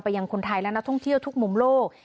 ยังคนไทยและนักท่องเที่ยวทุกมุมโลก